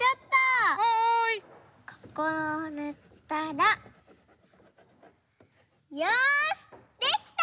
ここをぬったらよしできた！